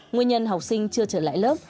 nguyên nhân học sinh chưa trở lại lớp